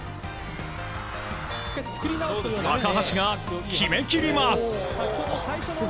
高橋が決め切ります！